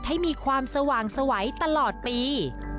ให้มีความสว่างสวัยตลอดปี